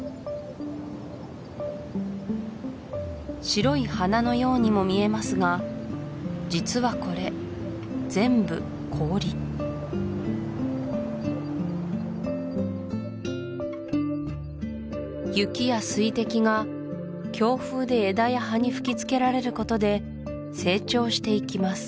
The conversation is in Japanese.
白い花のようにも見えますが実はこれ全部氷雪や水滴が強風で枝や葉に吹きつけられることで成長していきます